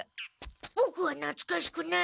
ボクはなつかしくない！